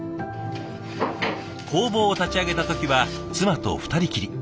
工房を立ち上げた時は妻と２人きり。